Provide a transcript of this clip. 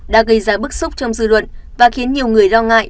đã gây ra bức xúc trong dư luận và khiến nhiều người lo ngại